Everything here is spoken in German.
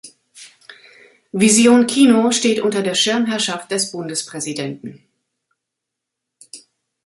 Vision Kino steht unter der Schirmherrschaft des Bundespräsidenten.